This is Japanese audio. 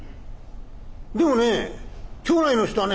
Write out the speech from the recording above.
でもね町内の人はね